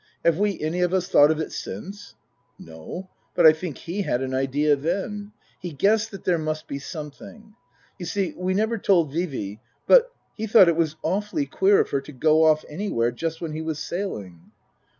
Have we any of us thought of it since ?"" No but I think he had an idea then. He guessed that there must be something. You see we never told Vee Vee, but he thought it was awfully queer of her to go off anywhere just when he was sailing."